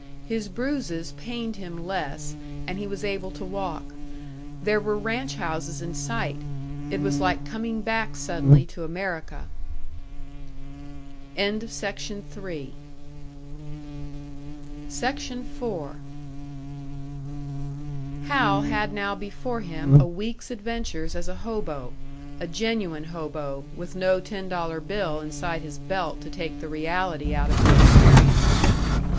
His bruises pained him less, and he was able to walk. There were ranch houses in sight it was like coming back suddenly to America! SECTION 4. Hal had now before him a week's adventures as a hobo: a genuine hobo, with no ten dollar bill inside his belt to take the reality out of his experiences.